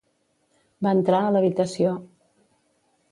Va entrar a l'habitació.